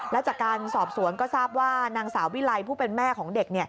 และจากการสอบสวนก็ทราบว่านางสาววิไลผู้เป็นแม่ของเด็ก